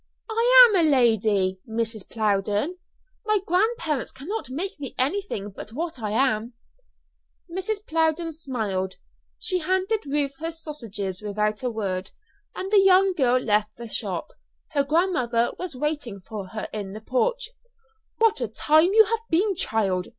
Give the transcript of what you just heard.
"I am a lady, Mrs. Plowden. My grandparents cannot make me anything but what I am." Mrs. Plowden smiled. She handed Ruth her sausages without a word, and the young girl left the shop. Her grandmother was waiting for her in the porch. "What a time you have been, child!"